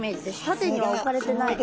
縦には置かれてない。